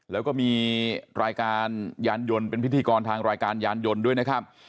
แล้วก็มีรายการยานยนต์เป็นพิธีกรทางรายการยานยนต์ด้วยนะครับ